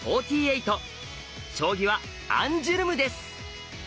将棋はアンジュルムです。